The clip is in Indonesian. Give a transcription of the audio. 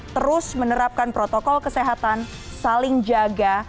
terus menerapkan protokol kesehatan saling jaga